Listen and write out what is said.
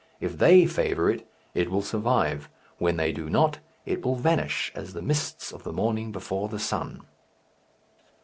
If they favour it, it will survive; when they do not, it will vanish as the mists of the morning before the sun.